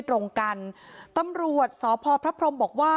ต้องรอผลพิสูจน์จากแพทย์ก่อนนะคะ